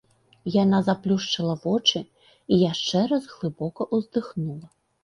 Яна заплюшчыла вочы і яшчэ раз глыбока ўздыхнула.